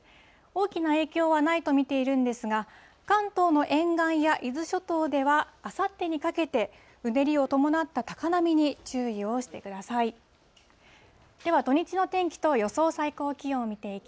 大きな影響はないと見ているんですが、関東の沿岸や伊豆諸島では、あさってにかけて、うねりを伴った高波に注意をしてください。